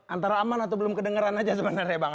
antara aman atau belum kedengeran aja sebenarnya bang